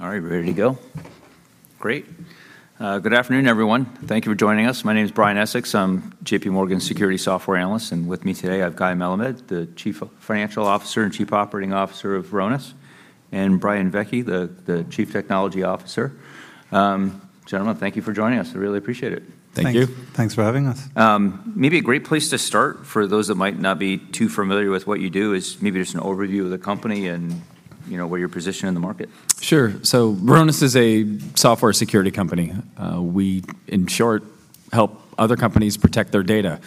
All right, we're ready to go? Great. Good afternoon, everyone. Thank you for joining us. My name is Brian Essex. I'm JPMorgan's Security Software Analyst, and with me today, I have Guy Melamed, the Chief Financial Officer and Chief Operating Officer of Varonis, and Brian Vecci, the Chief Technology Officer. Gentlemen, thank you for joining us. I really appreciate it. Thank you. Thank you. Thanks for having us. Maybe a great place to start, for those that might not be too familiar with what you do, is maybe just an overview of the company and, you know, where you're positioned in the market. Sure. So Varonis is a software security company. We, in short, help other companies protect their data.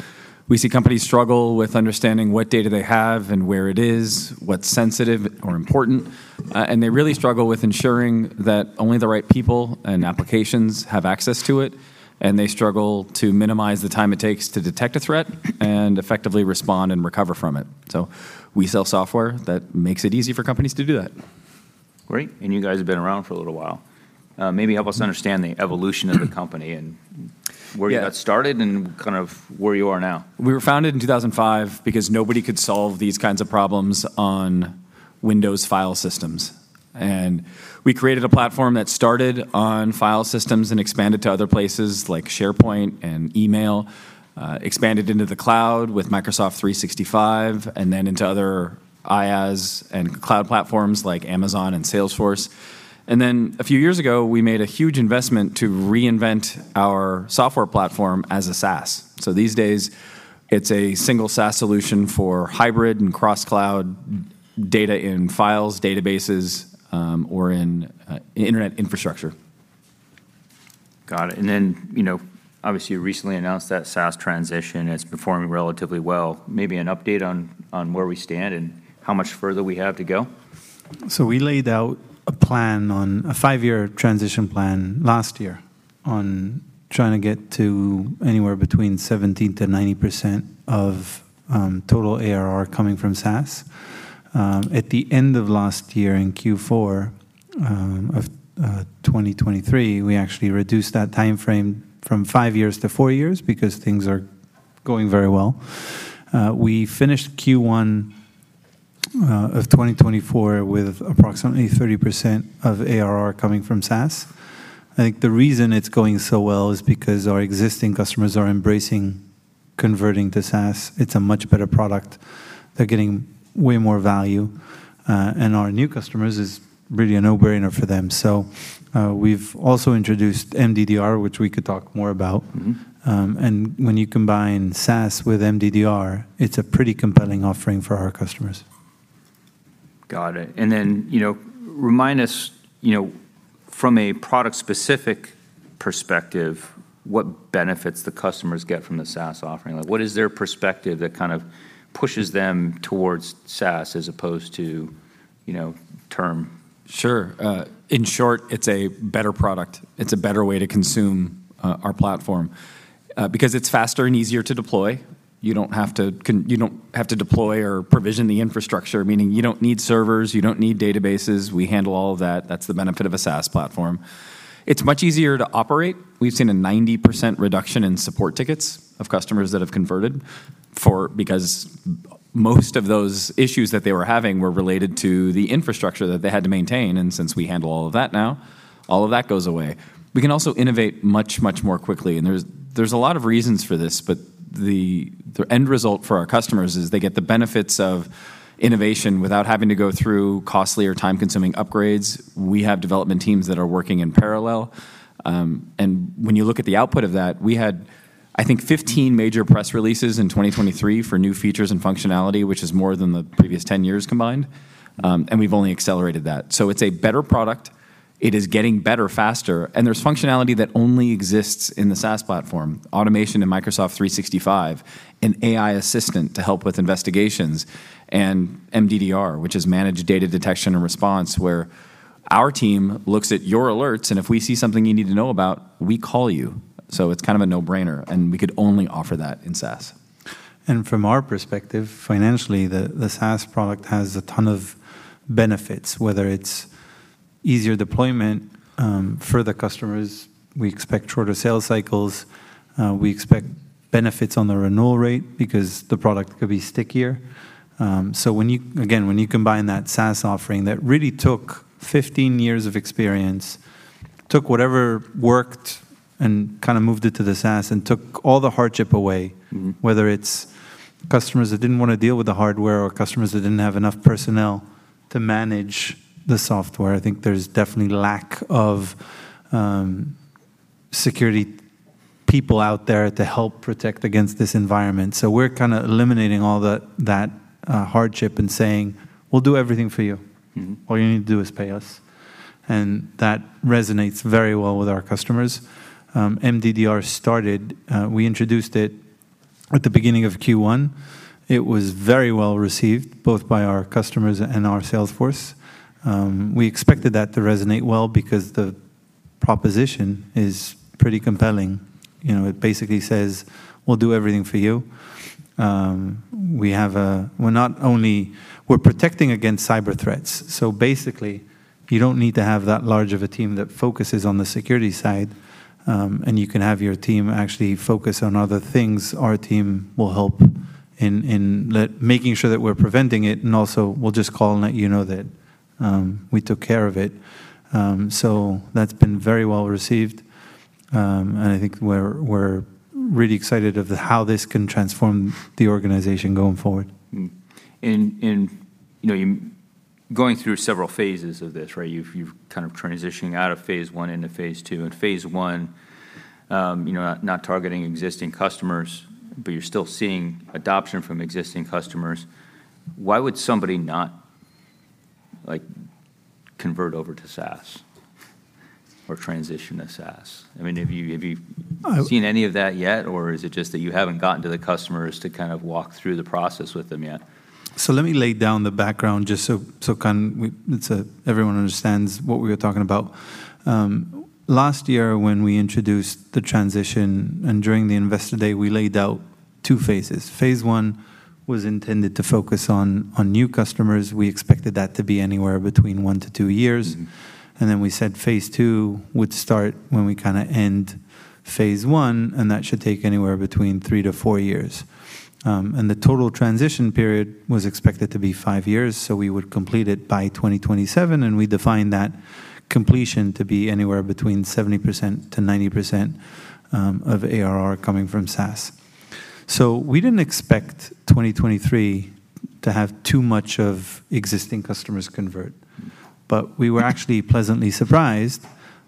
We see companies struggle with understanding what data they have and where it is, what's sensitive or important. And they really struggle with ensuring that only the right people and applications have access to it, and they struggle to minimize the time it takes to detect a threat and effectively respond and recover from it. So we sell software that makes it easy for companies to do that. Great, and you guys have been around for a little while. Maybe help us understand the evolution of the company and- Yeah... where you got started and kind of where you are now. We were founded in 2005 because nobody could solve these kinds of problems on Windows file systems. We created a platform that started on file systems and expanded to other places, like SharePoint and email, expanded into the cloud with Microsoft 365, and then into other IaaS and cloud platforms like Amazon and Salesforce. Then, a few years ago, we made a huge investment to reinvent our software platform as a SaaS. These days, it's a single SaaS solution for hybrid and cross-cloud data in files, databases, or in, internet infrastructure. Got it, and then, you know, obviously, you recently announced that SaaS transition, and it's performing relatively well. Maybe an update on, on where we stand and how much further we have to go? So we laid out a plan on a five-year transition plan last year on trying to get to anywhere between 70%-90% of total ARR coming from SaaS. At the end of last year, in Q4 of 2023, we actually reduced that timeframe from five years to four years because things are going very well. We finished Q1 of 2024 with approximately 30% of ARR coming from SaaS. I think the reason it's going so well is because our existing customers are embracing converting to SaaS. It's a much better product. They're getting way more value, and our new customers, it's really a no-brainer for them. So we've also introduced MDDR, which we could talk more about. Mm-hmm. when you combine SaaS with MDDR, it's a pretty compelling offering for our customers. Got it, and then, you know, remind us, you know, from a product-specific perspective, what benefits the customers get from the SaaS offering. Like, what is their perspective that kind of pushes them towards SaaS as opposed to, you know, term? Sure. In short, it's a better product. It's a better way to consume our platform. Because it's faster and easier to deploy, you don't have to deploy or provision the infrastructure, meaning you don't need servers, you don't need databases. We handle all of that. That's the benefit of a SaaS platform. It's much easier to operate. We've seen a 90% reduction in support tickets of customers that have converted because most of those issues that they were having were related to the infrastructure that they had to maintain, and since we handle all of that now, all of that goes away. We can also innovate much, much more quickly, and there's a lot of reasons for this, but the end result for our customers is they get the benefits of innovation without having to go through costly or time-consuming upgrades. We have development teams that are working in parallel. And when you look at the output of that, we had, I think, 15 major press releases in 2023 for new features and functionality, which is more than the previous 10 years combined, and we've only accelerated that. So it's a better product. It is getting better faster, and there's functionality that only exists in the SaaS platform: automation in Microsoft 365, an AI assistant to help with investigations, and MDDR, which is Managed Data Detection and Response, where our team looks at your alerts, and if we see something you need to know about, we call you. It's kind of a no-brainer, and we could only offer that in SaaS. From our perspective, financially, the SaaS product has a ton of benefits, whether it's easier deployment for the customers, we expect shorter sales cycles, we expect benefits on the renewal rate because the product could be stickier. So when you combine that SaaS offering, that really took 15 years of experience, took whatever worked and kind of moved it to the SaaS and took all the hardship away- Mm-hmm... whether it's customers that didn't wanna deal with the hardware or customers that didn't have enough personnel to manage the software. I think there's definitely lack of security people out there to help protect against this environment, so we're kinda eliminating all the hardship and saying, "We'll do everything for you. Mm-hmm. All you need to do is pay us." And that resonates very well with our customers. MDDR started, we introduced it at the beginning of Q1. It was very well received, both by our customers and our sales force. We expected that to resonate well because the proposition is pretty compelling. You know, it basically says, "We'll do everything for you." We have a... We're not only-- We're protecting against cyber threats, so basically, you don't need to have that large of a team that focuses on the security side, and you can have your team actually focus on other things. Our team will help in making sure that we're preventing it, and also, we'll just call and let you know that we took care of it. So that's been very well received, and I think we're really excited of how this can transform the organization going forward. Mm. And, you know, you're going through several phases of this, right? You've kind of transitioning out of phase one into phase two. In phase one, you know, not targeting existing customers, but you're still seeing adoption from existing customers. Why would somebody not, like, convert over to SaaS or transition to SaaS? I mean, have you- I- Seen any of that yet, or is it just that you haven't gotten to the customers to kind of walk through the process with them yet? So let me lay down the background just so everyone understands what we are talking about. Last year, when we introduced the transition, and during the Investor Day, we laid out two phases. Phase one was intended to focus on new customers. We expected that to be anywhere between one-two years. Mm. And then we said phase two would start when we kinda end phase one, and that should take anywhere between 3-4 years. And the total transition period was expected to be five years, so we would complete it by 2027, and we defined that completion to be anywhere between 70%-90%, of ARR coming from SaaS. So we didn't expect 2023 to have too much of existing customers convert, but we were actually pleasantly surprised.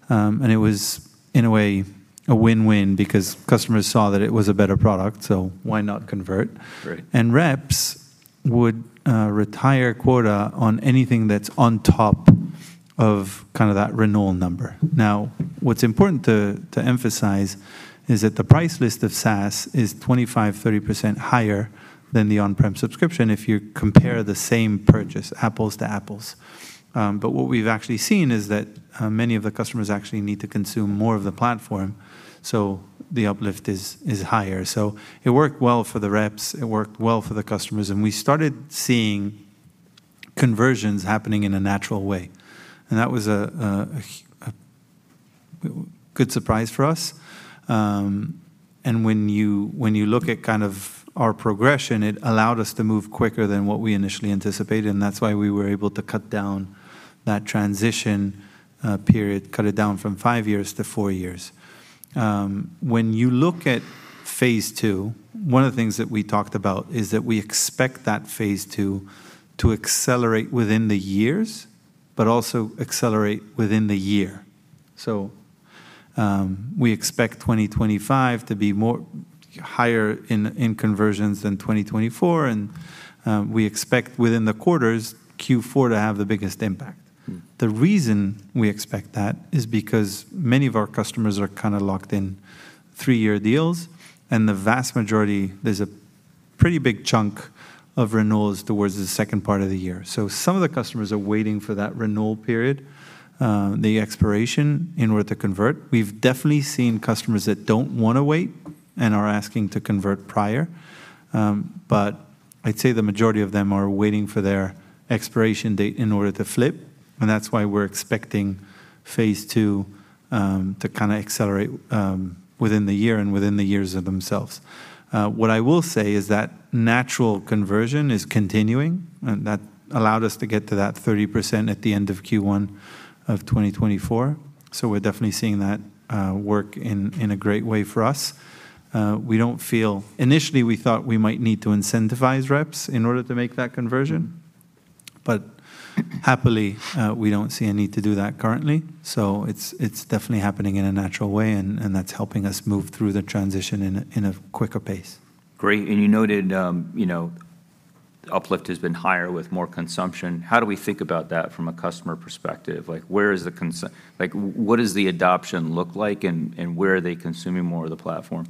And it was, in a way, a win-win because customers saw that it was a better product, so why not convert? Right. Reps would retire quota on anything that's on top of kind of that renewal number. Now, what's important to emphasize is that the price list of SaaS is 25%-30% higher than the on-prem subscription if you compare the same purchase, apples to apples. But what we've actually seen is that many of the customers actually need to consume more of the platform, so the uplift is higher. So it worked well for the reps, it worked well for the customers, and we started seeing conversions happening in a natural way, and that was a good surprise for us. And when you, when you look at kind of our progression, it allowed us to move quicker than what we initially anticipated, and that's why we were able to cut down that transition, period, cut it down from five years to four years. When you look at phase two, one of the things that we talked about is that we expect that phase two to accelerate within the years, but also accelerate within the year. So, we expect 2025 to be more higher in, in conversions than 2024, and, we expect within the quarters, Q4 to have the biggest impact. Mm. The reason we expect that is because many of our customers are kinda locked in three-year deals, and the vast majority, there's a pretty big chunk of renewals towards the second part of the year. So some of the customers are waiting for that renewal period, the expiration, in order to convert. We've definitely seen customers that don't wanna wait and are asking to convert prior. But I'd say the majority of them are waiting for their expiration date in order to flip, and that's why we're expecting phase two, to kinda accelerate, within the year and within the years of themselves. What I will say is that natural conversion is continuing, and that allowed us to get to that 30% at the end of Q1 of 2024, so we're definitely seeing that, work in a great way for us. Initially, we thought we might need to incentivize reps in order to make that conversion, but happily, we don't see a need to do that currently. So it's, it's definitely happening in a natural way, and, and that's helping us move through the transition in a, in a quicker pace. Great. And you noted, you know, uplift has been higher with more consumption. How do we think about that from a customer perspective? Like, where is the Like, what does the adoption look like, and, and where are they consuming more of the platform?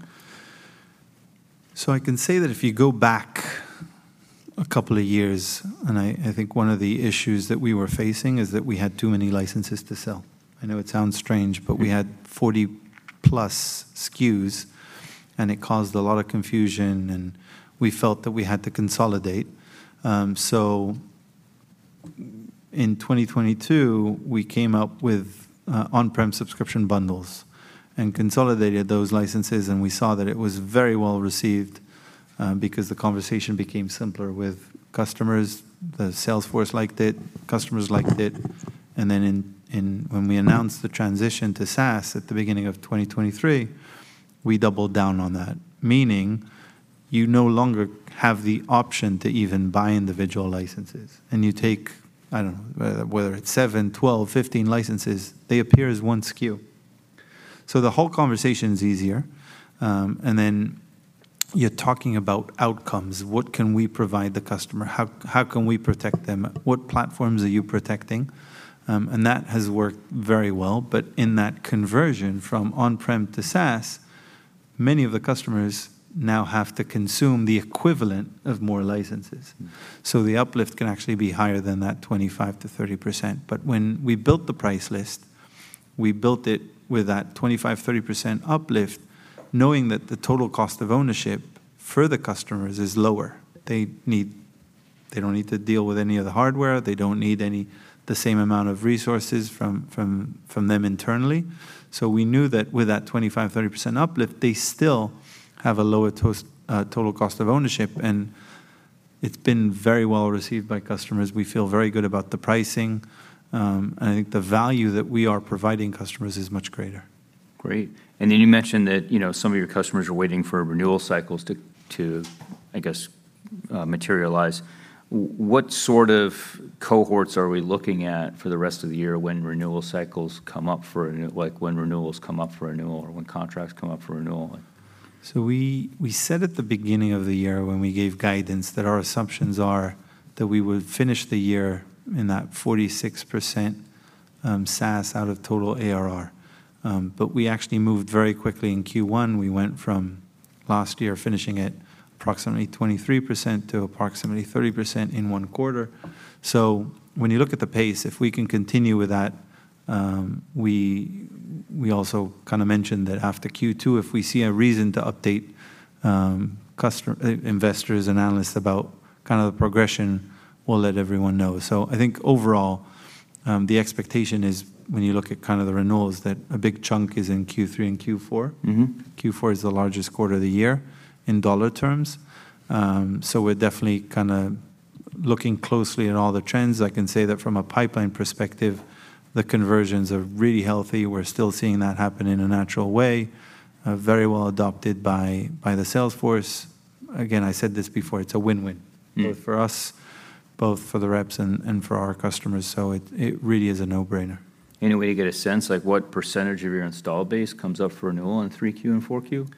So I can say that if you go back a couple of years, and I, I think one of the issues that we were facing is that we had too many licenses to sell. I know it sounds strange- Mm... but we had 40+ SKUs, and it caused a lot of confusion, and we felt that we had to consolidate. So in 2022, we came up with on-prem subscription bundles and consolidated those licenses, and we saw that it was very well received, because the conversation became simpler with customers. The sales force liked it, customers liked it, and then when we announced the transition to SaaS at the beginning of 2023, we doubled down on that, meaning you no longer have the option to even buy individual licenses. And you take, I don't know, whether it's 7, 12, 15 licenses, they appear as one SKU. So the whole conversation is easier. And then you're talking about outcomes: What can we provide the customer? How can we protect them? What platforms are you protecting? That has worked very well, but in that conversion from on-prem to SaaS, many of the customers now have to consume the equivalent of more licenses. Mm. So the uplift can actually be higher than that 25%-30%. But when we built the price list, we built it with that 25%-30% uplift, knowing that the total cost of ownership for the customers is lower. They don't need to deal with any of the hardware. They don't need the same amount of resources from them internally. So we knew that with that 25%-30% uplift, they still have a lower total cost of ownership, and it's been very well received by customers. We feel very good about the pricing. And I think the value that we are providing customers is much greater. Great. And then you mentioned that, you know, some of your customers are waiting for renewal cycles to, I guess, materialize. What sort of cohorts are we looking at for the rest of the year when renewal cycles come up for like, when renewals come up for renewal, or when contracts come up for renewal? So we said at the beginning of the year when we gave guidance, that our assumptions are that we would finish the year in that 46% SaaS out of total ARR. But we actually moved very quickly in Q1. We went from last year finishing at approximately 23% to approximately 30% in one quarter. So when you look at the pace, if we can continue with that, we also kinda mentioned that after Q2, if we see a reason to update customers, investors and analysts about kinda the progression, we'll let everyone know. So I think overall, the expectation is, when you look at kinda the renewals, that a big chunk is in Q3 and Q4. Mm-hmm. Q4 is the largest quarter of the year in dollar terms. So we're definitely kinda looking closely at all the trends. I can say that from a pipeline perspective, the conversions are really healthy. We're still seeing that happen in a natural way, very well adopted by the sales force. Again, I said this before, it's a win-win. Mm... both for us, both for the reps, and for our customers. So it really is a no-brainer. Any way to get a sense, like, what percentage of your installed base comes up for renewal in 3Q and 4Q?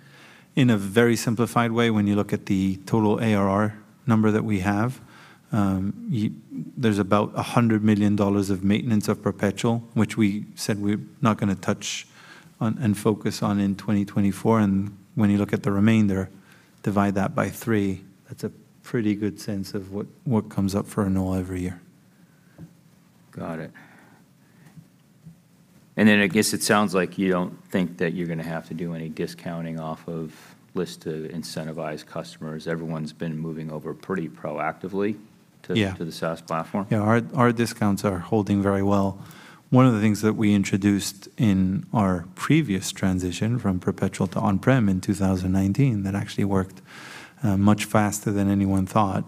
In a very simplified way, when you look at the total ARR number that we have, there's about $100 million of maintenance of perpetual, which we said we're not gonna touch on, and focus on, in 2024. And when you look at the remainder, divide that by three, that's a pretty good sense of what, what comes up for renewal every year. Got it. And then I guess it sounds like you don't think that you're gonna have to do any discounting off of list to incentivize customers. Everyone's been moving over pretty proactively- Yeah... to the SaaS platform? Yeah. Our discounts are holding very well. One of the things that we introduced in our previous transition from perpetual to on-prem in 2019, that actually worked much faster than anyone thought,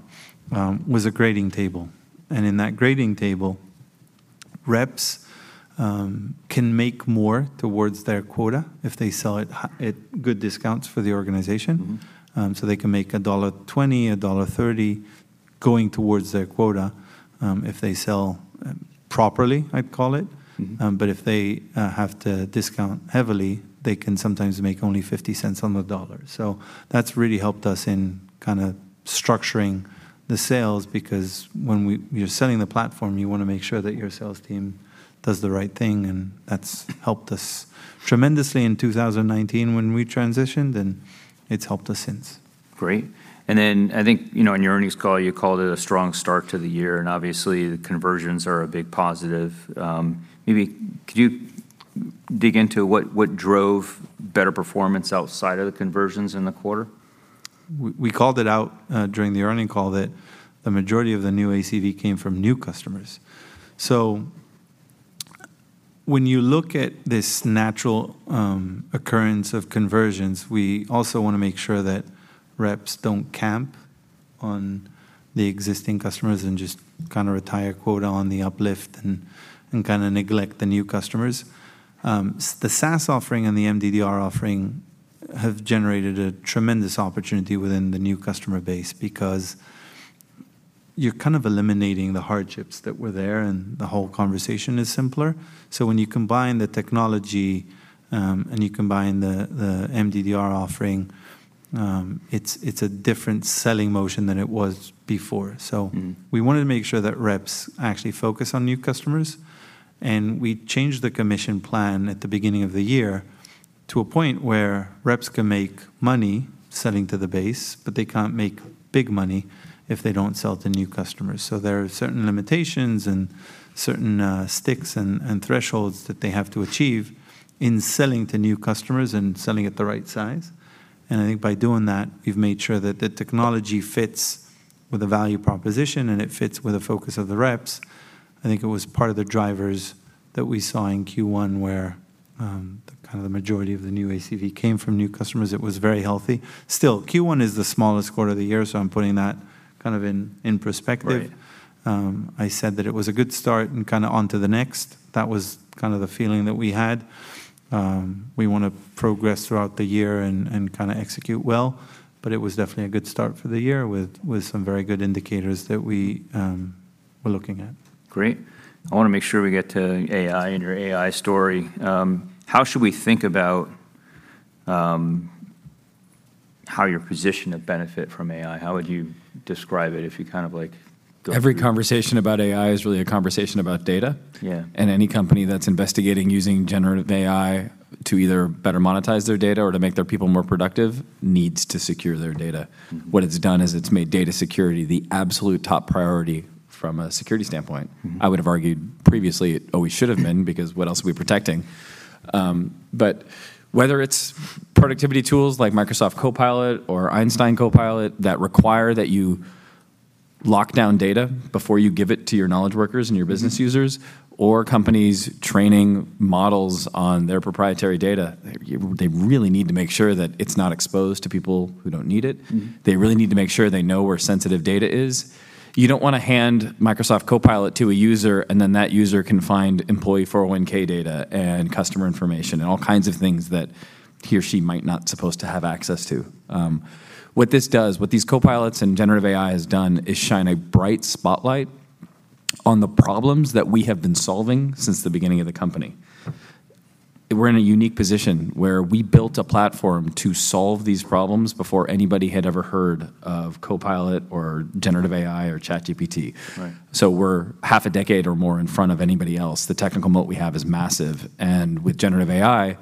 was a grading table. And in that grading table, reps can make more towards their quota if they sell it at good discounts for the organization. Mm-hmm. So they can make $1.20, $1.30 going towards their quota, if they sell properly, I'd call it. Mm-hmm. But if they have to discount heavily, they can sometimes make only $0.50 on the dollar. So that's really helped us in kinda structuring the sales, because when you're selling the platform, you wanna make sure that your sales team does the right thing, and that's helped us tremendously in 2019 when we transitioned, and it's helped us since. Great. And then, I think, you know, in your earnings call, you called it a strong start to the year, and obviously, the conversions are a big positive. Maybe could you dig into what drove better performance outside of the conversions in the quarter? We, we called it out during the earnings call that the majority of the new ACV came from new customers. So when you look at this natural occurrence of conversions, we also wanna make sure that reps don't camp on the existing customers and just kinda retire quota on the uplift and kinda neglect the new customers. The SaaS offering and the MDDR offering have generated a tremendous opportunity within the new customer base, because you're kind of eliminating the hardships that were there, and the whole conversation is simpler. So when you combine the technology, and you combine the MDDR offering, it's a different selling motion than it was before. So- Mm... we wanted to make sure that reps actually focus on new customers, and we changed the commission plan at the beginning of the year to a point where reps can make money selling to the base, but they can't make big money if they don't sell to new customers. So there are certain limitations and certain sticks and thresholds that they have to achieve in selling to new customers and selling at the right size. And I think by doing that, we've made sure that the technology fits with the value proposition, and it fits with the focus of the reps. I think it was part of the drivers that we saw in Q1, where kind of the majority of the new ACV came from new customers. It was very healthy. Still, Q1 is the smallest quarter of the year, so I'm putting that kind of in perspective. Right. I said that it was a good start, and kinda on to the next. That was kind of the feeling that we had. We want to progress throughout the year and kinda execute well, but it was definitely a good start for the year, with some very good indicators that we were looking at. Great. I wanna make sure we get to AI and your AI story. How should we think about how you're positioned to benefit from AI? How would you describe it if you kind of like go- Every conversation about AI is really a conversation about data. Yeah. Any company that's investigating using generative AI to either better monetize their data or to make their people more productive needs to secure their data. Mm-hmm. What it's done is it's made data security the absolute top priority from a security standpoint. Mm-hmm. I would have argued previously, it always should have been- Mm... because what else are we protecting? But whether it's productivity tools like Microsoft Copilot or Einstein Copilot, that require that you lock down data before you give it to your knowledge workers and your business- Mm-hmm -users, or companies training models on their proprietary data. They, they really need to make sure that it's not exposed to people who don't need it. Mm-hmm. They really need to make sure they know where sensitive data is. You don't wanna hand Microsoft Copilot to a user, and then that user can find employee 401(k) data, and customer information, and all kinds of things that he or she might not supposed to have access to. What this does, what these copilots and generative AI has done, is shine a bright spotlight on the problems that we have been solving since the beginning of the company. We're in a unique position where we built a platform to solve these problems before anybody had ever heard of Copilot or generative AI or ChatGPT. Right. We're half a decade or more in front of anybody else. The technical moat we have is massive, and with generative AI,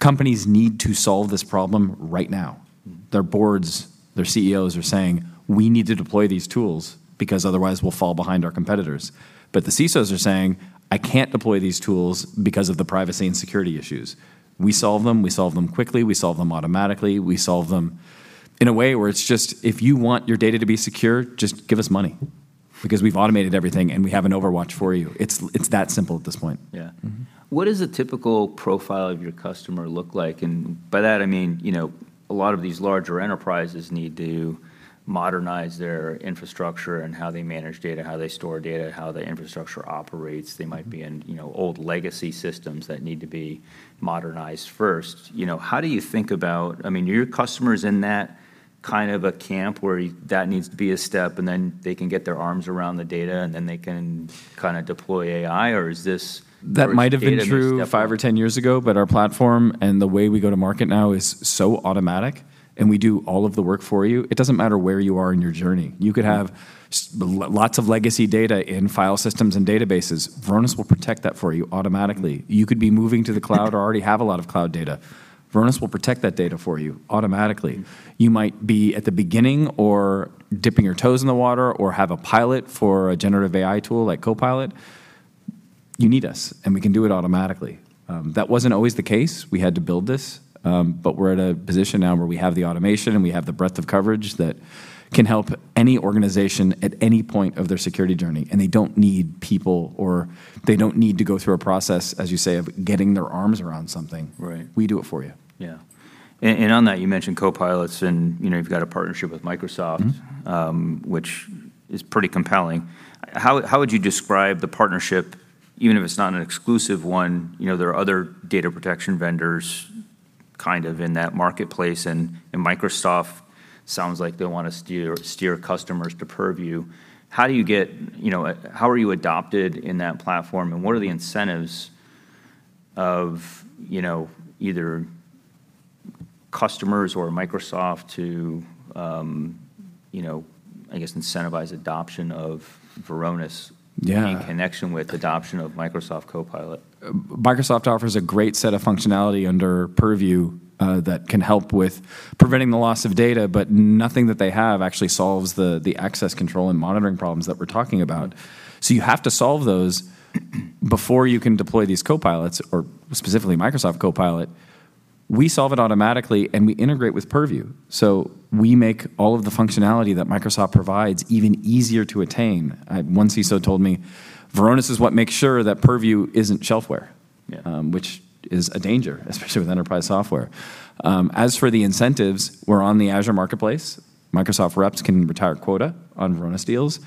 companies need to solve this problem right now. Mm. Their boards, their CEOs are saying, "We need to deploy these tools because otherwise we'll fall behind our competitors." But the CISOs are saying, "I can't deploy these tools because of the privacy and security issues." We solve them, we solve them quickly, we solve them automatically. We solve them in a way where it's just, if you want your data to be secure, just give us money, because we've automated everything, and we have an overwatch for you. It's, it's that simple at this point. Yeah. Mm-hmm. What does a typical profile of your customer look like? And by that I mean, you know, a lot of these larger enterprises need to modernize their infrastructure and how they manage data, how they store data, how their infrastructure operates. Mm. They might be in, you know, old legacy systems that need to be modernized first. You know, how do you think about... I mean, are your customers in that kind of a camp where that needs to be a step, and then they can get their arms around the data, and then they can kinda deploy AI? Or is this- That might have been true- Approach to data. That's step one.... 5 or 10 years ago, but our platform and the way we go to market now is so automatic, and we do all of the work for you. It doesn't matter where you are in your journey. Yeah. You could have lots of legacy data in file systems and databases. Varonis will protect that for you automatically. You could be moving to the cloud or already have a lot of cloud data, Varonis will protect that data for you automatically. Mm. You might be at the beginning or dipping your toes in the water, or have a pilot for a generative AI tool like Copilot, you need us, and we can do it automatically. That wasn't always the case. We had to build this. But we're at a position now where we have the automation, and we have the breadth of coverage that can help any organization at any point of their security journey, and they don't need people, or they don't need to go through a process, as you say, of getting their arms around something. Right. We do it for you. Yeah. On that, you mentioned copilots, and, you know, you've got a partnership with Microsoft- Mm-hmm... which is pretty compelling. How would you describe the partnership, even if it's not an exclusive one? You know, there are other data protection vendors kind of in that marketplace, and Microsoft sounds like they wanna steer customers to Purview. How do you get... You know, how are you adopted in that platform, and what are the incentives of, you know, either customers or Microsoft to, you know, I guess, incentivize adoption of Varonis- Yeah ... in connection with adoption of Microsoft Copilot? Microsoft offers a great set of functionality under Purview, that can help with preventing the loss of data, but nothing that they have actually solves the, the access control and monitoring problems that we're talking about. So you have to solve those before you can deploy these copilots, or specifically Microsoft Copilot. We solve it automatically, and we integrate with Purview, so we make all of the functionality that Microsoft provides even easier to attain. One CISO told me, "Varonis is what makes sure that Purview isn't shelfware. Yeah. Which is a danger, especially with enterprise software. As for the incentives, we're on the Azure Marketplace. Microsoft reps can retire quota on Varonis deals.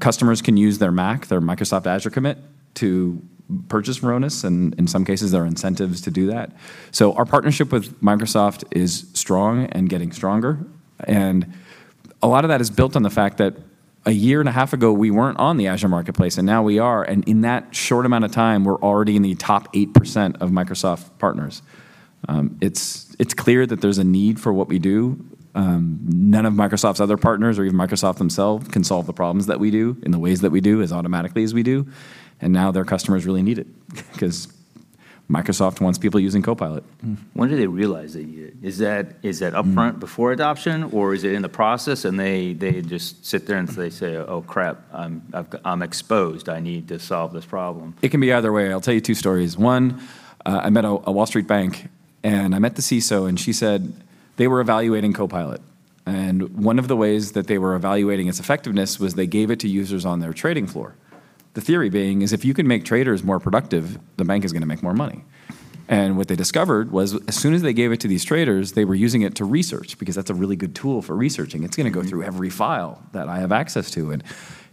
Customers can use their MACC, their Microsoft Azure commit, to purchase Varonis, and in some cases, there are incentives to do that. So our partnership with Microsoft is strong and getting stronger. Yeah. A lot of that is built on the fact that a year and a half ago, we weren't on the Azure Marketplace, and now we are. In that short amount of time, we're already in the top 8% of Microsoft partners. It's clear that there's a need for what we do. None of Microsoft's other partners or even Microsoft themselves can solve the problems that we do, in the ways that we do, as automatically as we do. Now their customers really need it, because Microsoft wants people using Copilot. Mm. When did they realize they need it? Is that, is that- Mm... upfront before adoption, or is it in the process, and they just sit there, and they say, "Oh, crap, I'm exposed. I need to solve this problem? It can be either way. I'll tell you two stories. One, I met a Wall Street bank, and I met the CISO, and she said they were evaluating Copilot. And one of the ways that they were evaluating its effectiveness was they gave it to users on their trading floor. The theory being is if you can make traders more productive, the bank is gonna make more money. And what they discovered was, as soon as they gave it to these traders, they were using it to research, because that's a really good tool for researching. Mm-hmm. It's gonna go through every file that I have access to, and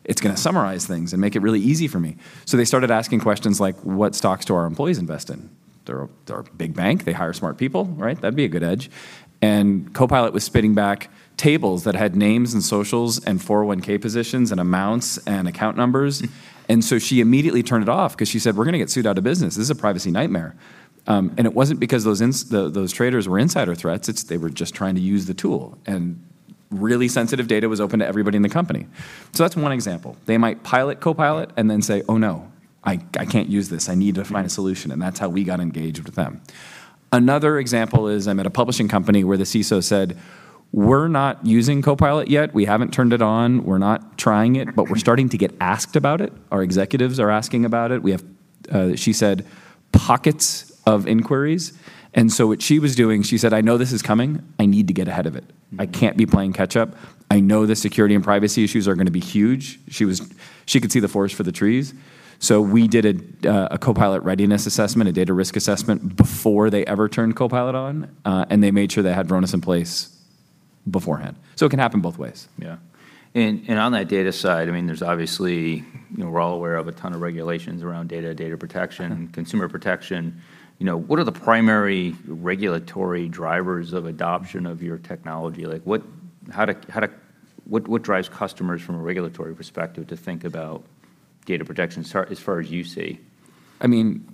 it's gonna summarize things and make it really easy for me. So they started asking questions like: "What stocks do our employees invest in?" They're a big bank. They hire smart people, right? That'd be a good edge. And Copilot was spitting back tables that had names, and socials, and 401(k) positions, and amounts, and account numbers. Mm. And so she immediately turned it off, 'cause she said, "We're gonna get sued out of business. This is a privacy nightmare." And it wasn't because those traders were insider threats, it's they were just trying to use the tool, and really sensitive data was open to everybody in the company. So that's one example. They might pilot Copilot- Mm... and then say, "Oh, no, I, I can't use this. I need to find a solution. Mm. That's how we got engaged with them. Another example is, I'm at a publishing company where the CISO said, "We're not using Copilot yet. We haven't turned it on. We're not trying it, but we're starting to get asked about it. Our executives are asking about it. We have-... she said, "Pockets of inquiries." And so what she was doing, she said, "I know this is coming. I need to get ahead of it. I can't be playing catch-up. I know the security and privacy issues are gonna be huge." She could see the forest for the trees. So we did a Copilot readiness assessment, a data risk assessment, before they ever turned Copilot on, and they made sure they had Varonis in place beforehand. So it can happen both ways. Yeah. And on that data side, I mean, there's obviously, you know, we're all aware of a ton of regulations around data, data protection- Mm-hmm. consumer protection. You know, what are the primary regulatory drivers of adoption of your technology? Like, what drives customers from a regulatory perspective to think about data protection as far as you see? I mean,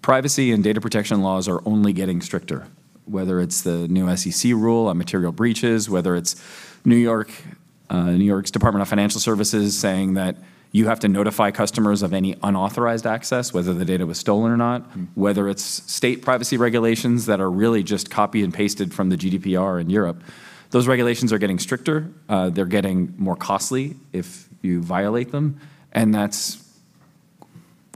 privacy and data protection laws are only getting stricter. Whether it's the new SEC rule on material breaches, whether it's New York, New York's Department of Financial Services saying that you have to notify customers of any unauthorized access, whether the data was stolen or not- Mm. Whether it's state privacy regulations that are really just copy and pasted from the GDPR in Europe, those regulations are getting stricter. They're getting more costly if you violate them, and that's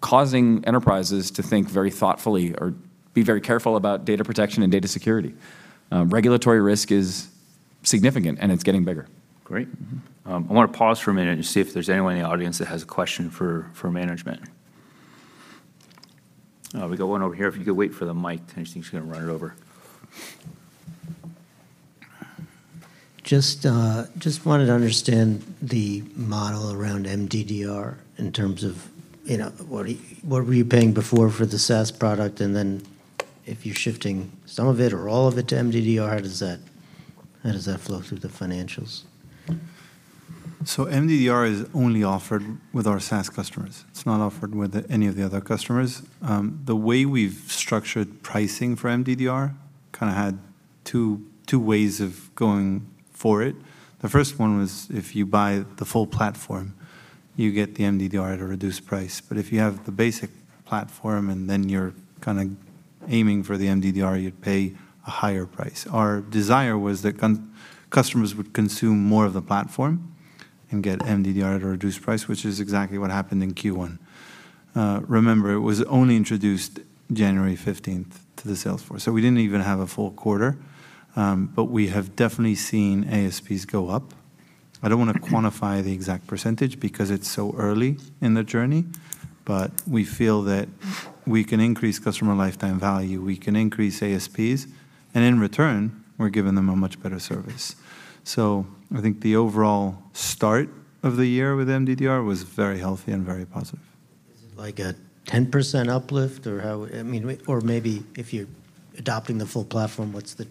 causing enterprises to think very thoughtfully or be very careful about data protection and data security. Regulatory risk is significant, and it's getting bigger. Great. Mm-hmm. I wanna pause for a minute and see if there's anyone in the audience that has a question for management. We got one over here. If you could wait for the mic, I just think it's gonna run it over. Just wanted to understand the model around MDDR in terms of, you know, what are you, what were you paying before for the SaaS product, and then if you're shifting some of it or all of it to MDDR, how does that flow through the financials? MDDR is only offered with our SaaS customers. It's not offered with any of the other customers. The way we've structured pricing for MDDR kind of had two ways of going for it. The first one was, if you buy the full platform, you get the MDDR at a reduced price. But if you have the basic platform, and then you're kind of aiming for the MDDR, you'd pay a higher price. Our desire was that customers would consume more of the platform and get MDDR at a reduced price, which is exactly what happened in Q1. Remember, it was only introduced January 15th to the sales floor, so we didn't even have a full quarter. But we have definitely seen ASPs go up. I don't wanna quantify the exact percentage because it's so early in the journey, but we feel that we can increase customer lifetime value, we can increase ASPs, and in return, we're giving them a much better service. So I think the overall start of the year with MDDR was very healthy and very positive. Is it like a 10% uplift, or how? I mean, or maybe if you're adopting the full platform, what's the,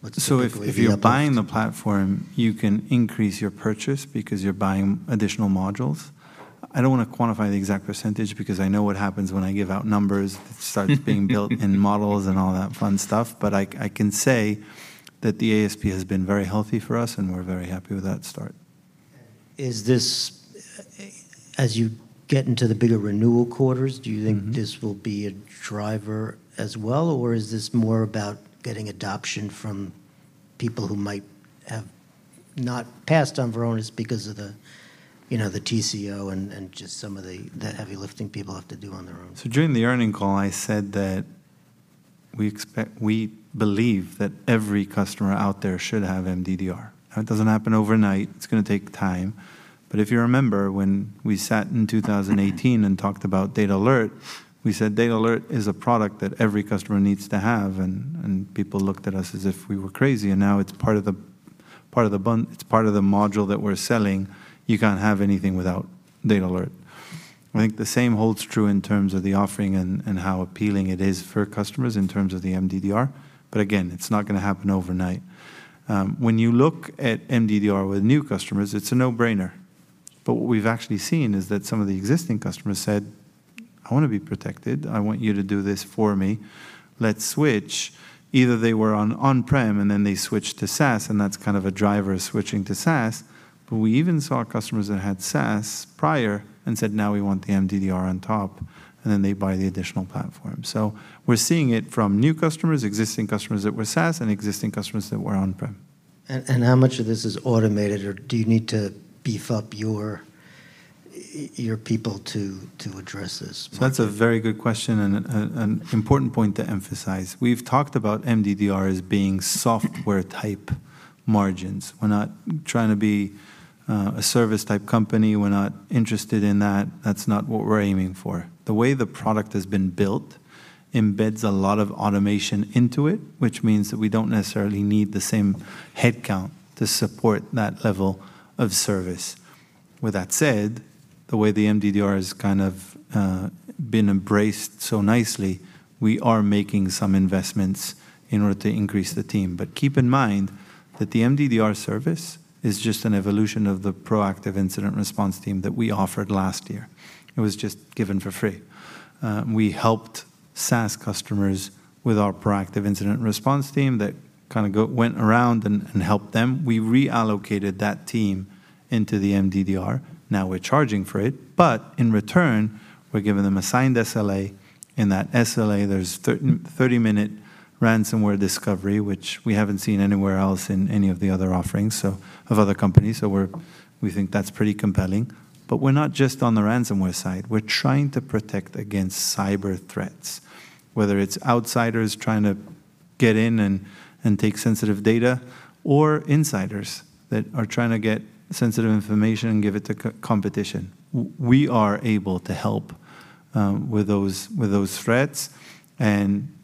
what's typically the uplift? If you're buying the platform, you can increase your purchase because you're buying additional modules. I don't wanna quantify the exact percentage because I know what happens when I give out numbers. It starts being built in models and all that fun stuff. But I can say that the ASP has been very healthy for us, and we're very happy with that start. Is this, as you get into the bigger renewal quarters- Mm-hmm. Do you think this will be a driver as well, or is this more about getting adoption from people who might have not passed on Varonis because of the, you know, the TCO and just some of the heavy lifting people have to do on their own? So during the earnings call, I said that we believe that every customer out there should have MDDR. Now, it doesn't happen overnight. It's gonna take time. But if you remember, when we sat in 2018 and talked about DatAlert, we said DatAlert is a product that every customer needs to have, and people looked at us as if we were crazy, and now it's part of the module that we're selling. You can't have anything without DatAlert. I think the same holds true in terms of the offering and how appealing it is for customers in terms of the MDDR, but again, it's not gonna happen overnight. When you look at MDDR with new customers, it's a no-brainer, but what we've actually seen is that some of the existing customers said: "I wanna be protected. I want you to do this for me. Let's switch." Either they were on-prem, and then they switched to SaaS, and that's kind of a driver of switching to SaaS. But we even saw customers that had SaaS prior and said: "Now we want the MDDR on top," and then they buy the additional platform. So we're seeing it from new customers, existing customers that were SaaS, and existing customers that were on-prem. And how much of this is automated, or do you need to beef up your people to address this? So that's a very good question and an important point to emphasize. We've talked about MDDR as being software-type margins. We're not trying to be a service-type company. We're not interested in that. That's not what we're aiming for. The way the product has been built embeds a lot of automation into it, which means that we don't necessarily need the same headcount to support that level of service. With that said, the way the MDDR has been embraced so nicely, we are making some investments in order to increase the team. But keep in mind that the MDDR service is just an evolution of the proactive incident response team that we offered last year. It was just given for free. We helped SaaS customers with our proactive incident response team that went around and helped them. We reallocated that team into the MDDR. Now we're charging for it, but in return, we're giving them assigned SLA, in that SLA, there's 30-minute ransomware discovery, which we haven't seen anywhere else in any of the other offerings, so, of other companies, so we're, we think that's pretty compelling. But we're not just on the ransomware side. We're trying to protect against cyber threats, whether it's outsiders trying to get in and take sensitive data, or insiders that are trying to get sensitive information and give it to competition. We are able to help with those threats, and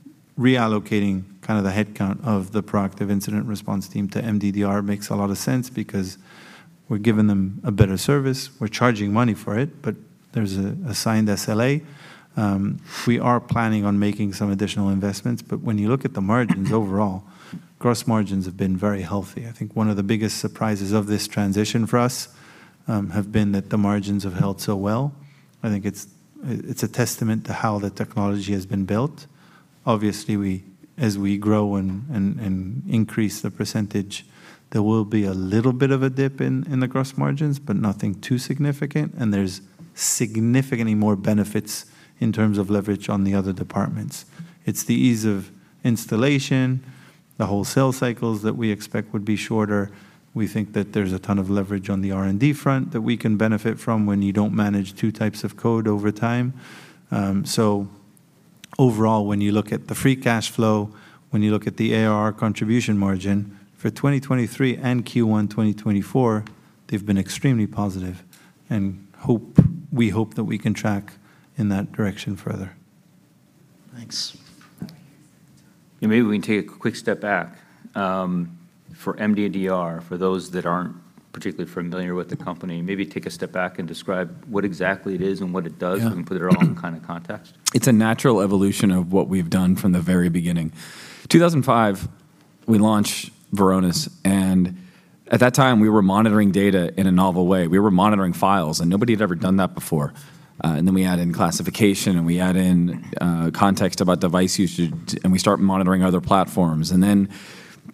reallocating kind of the headcount of the proactive incident response team to MDDR makes a lot of sense because we're giving them a better service. We're charging money for it, but there's a signed SLA. We are planning on making some additional investments, but when you look at the margins overall, gross margins have been very healthy. I think one of the biggest surprises of this transition for us, have been that the margins have held so well. I think it's a testament to how the technology has been built. Obviously, we, as we grow and increase the percentage, there will be a little bit of a dip in the gross margins, but nothing too significant, and there's significantly more benefits in terms of leverage on the other departments. It's the ease of installation, the wholesale cycles that we expect would be shorter. We think that there's a ton of leverage on the R&D front that we can benefit from when you don't manage two types of code over time. So overall, when you look at the free cash flow, when you look at the ARR contribution margin for 2023 and Q1 2024, they've been extremely positive, and we hope that we can track in that direction further. Thanks. Yeah, maybe we can take a quick step back. For MDDR, for those that aren't particularly familiar with the company, maybe take a step back and describe what exactly it is and what it does- Yeah... and put it all in kind of context. It's a natural evolution of what we've done from the very beginning. 2005, we launched Varonis, and at that time, we were monitoring data in a novel way. We were monitoring files, and nobody had ever done that before. And then we add in classification, and we add in context about device usage, and we start monitoring other platforms. And then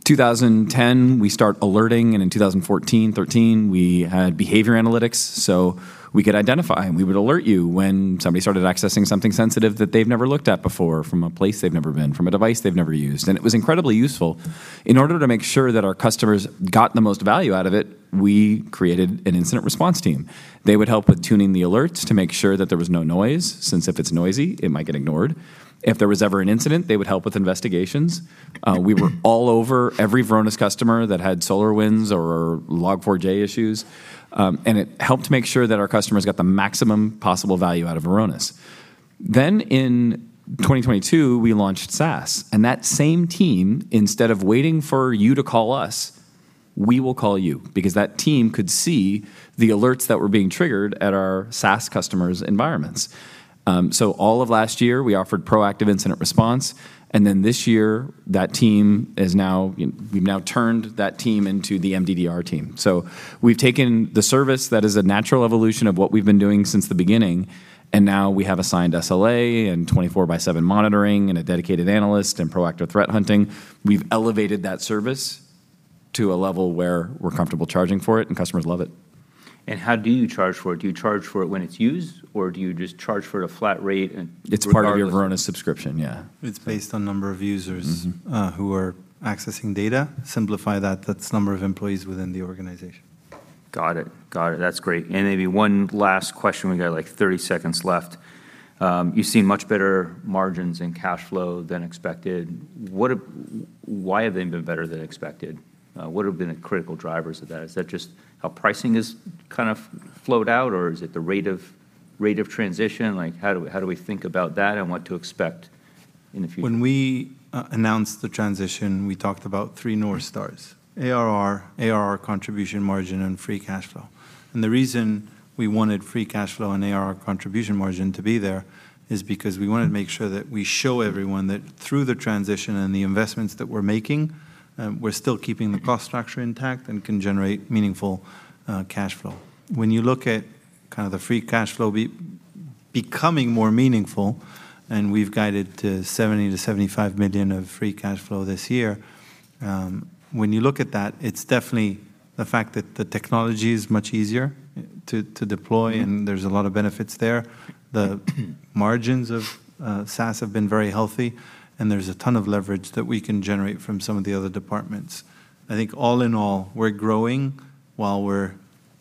2010, we start alerting, and in 2014, 2013, we had behavior analytics, so we could identify, and we would alert you when somebody started accessing something sensitive that they've never looked at before from a place they've never been, from a device they've never used, and it was incredibly useful. In order to make sure that our customers got the most value out of it, we created an incident response team. They would help with tuning the alerts to make sure that there was no noise, since if it's noisy, it might get ignored. If there was ever an incident, they would help with investigations. We were all over every Varonis customer that had SolarWinds or Log4j issues, and it helped make sure that our customers got the maximum possible value out of Varonis. Then, in 2022, we launched SaaS, and that same team, instead of waiting for you to call us, we will call you because that team could see the alerts that were being triggered at our SaaS customers' environments. So all of last year, we offered proactive incident response, and then this year, that team is now, we've now turned that team into the MDDR team. So we've taken the service that is a natural evolution of what we've been doing since the beginning, and now we have assigned SLA, and 24 by seven monitoring, and a dedicated analyst, and proactive threat hunting. We've elevated that service to a level where we're comfortable charging for it, and customers love it. How do you charge for it? Do you charge for it when it's used, or do you just charge for it a flat rate and regardless- It's part of your Varonis subscription, yeah. It's based on number of users- Mm-hmm... who are accessing data. Simplify that, that's number of employees within the organization. Got it. Got it. That's great. And maybe one last question. We got, like, 30 seconds left. You've seen much better margins and cash flow than expected. Why have they been better than expected? What have been the critical drivers of that? Is that just how pricing is kind of flowed out, or is it the rate of transition? Like, how do we think about that and what to expect in the future? When we announced the transition, we talked about three North Stars: ARR, ARR contribution margin, and free cash flow. And the reason we wanted free cash flow and ARR contribution margin to be there is because we wanted to make sure that we show everyone that through the transition and the investments that we're making, we're still keeping the cost structure intact and can generate meaningful cash flow. When you look at kind of the free cash flow becoming more meaningful, and we've guided to $70 million-$75 million of free cash flow this year, when you look at that, it's definitely the fact that the technology is much easier to deploy- Mm... and there's a lot of benefits there. The margins of SaaS have been very healthy, and there's a ton of leverage that we can generate from some of the other departments. I think all in all, we're growing while we're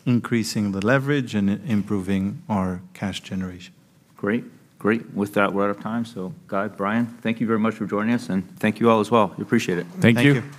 increasing the leverage and improving our cash generation. Great, great. With that, we're out of time. So Guy, Brian, thank you very much for joining us, and thank you all as well. We appreciate it. Thank you. Thank you.